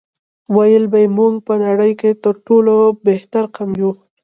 ویل به یې موږ په نړۍ کې تر ټولو بهترین قوم یو.